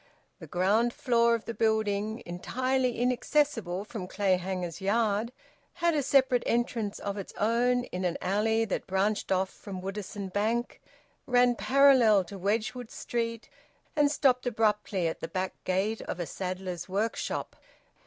The ground floor of the building, entirely inaccessible from Clayhanger's yard, had a separate entrance of its own in an alley that branched off from Woodisun Bank, ran parallel to Wedgwood Street, and stopped abruptly at the back gate of a saddler's workshop.